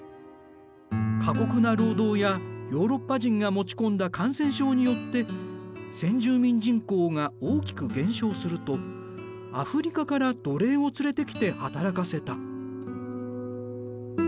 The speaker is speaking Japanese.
過酷な労働やヨーロッパ人が持ち込んだ感染症によって先住民人口が大きく減少するとアフリカから奴隷を連れてきて働かせた。